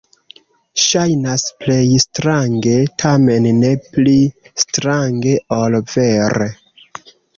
Ŝajnas plej strange, tamen ne pli strange ol vere.